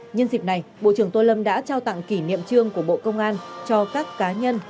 nhân dịp này bộ trưởng tô lâm đã trao tặng kỷ niệm trương của bộ công an cho các cá nhân